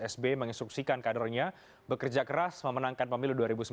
sbi menginstruksikan kadernya bekerja keras memenangkan pemilu dua ribu sembilan belas